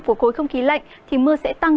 của khối không khí lạnh thì mưa sẽ tăng